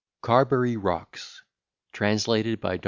CARBERY ROCKS TRANSLATED BY DR.